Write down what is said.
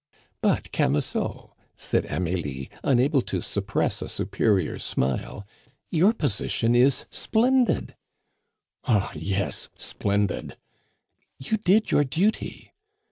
"But, Camusot," said Amelie, unable to suppress a superior smile, "your position is splendid " "Ah! yes, splendid!" "You did your duty."